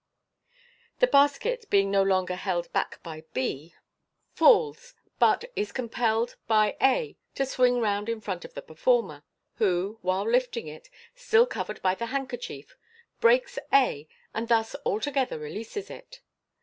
The basket, being no longer held back by l>3 Fig. 248. Fig. 249. 4*6 MODERN MAGIC. falls, but is compelled by a to swing round in front of the performer, who, while lifting it, still covered by the handkerchief, breaks a, and thus altogether releases it.